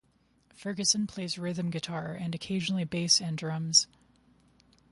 Ferguson plays rhythm guitar and occasionally bass and drums.